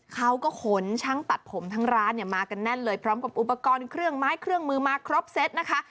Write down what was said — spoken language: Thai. เขาก็ขนช่างตัดผมทั้งร้านเนี่ยมากันแน่นเลยพร้อมกับอุปกรณ์เครื่องไม้เครื่องมือมาครบเซตนะคะ